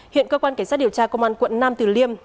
hiện cơ quan cảnh sát điều tra công an quận năm tùy liêm